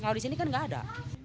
kalau di sini kan nggak ada